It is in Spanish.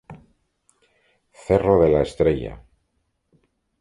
Cerro de la Estrella